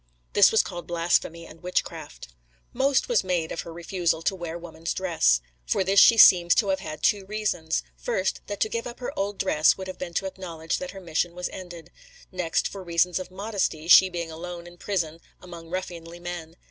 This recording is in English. This was called blasphemy and witchcraft. Most was made of her refusal to wear woman's dress. For this she seems to have had two reasons: first, that to give up her old dress would have been to acknowledge that her mission was ended; next, for reasons of modesty, she being alone in prison among ruffianly men.